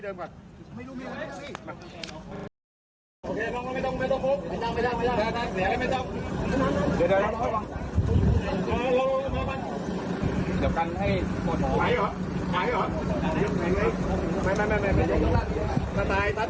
เดี๋ยวกันให้โปรดโทรไหมครับ